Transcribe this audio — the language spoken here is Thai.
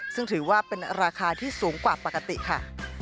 ซึ่งถือว่าเป็นราคาที่สูงกว่าปกติค่ะ